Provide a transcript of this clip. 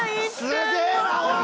すげえなおい！